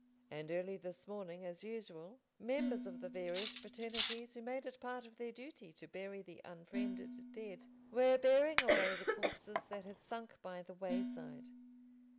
And early this morning, as usual, members of the various fraternities who made it part of their duty to bury the unfriended dead, were bearing away the corpses that had sunk by the wayside.